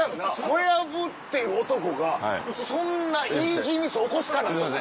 小籔っていう男がそんなイージーミス起こすかな？と思って。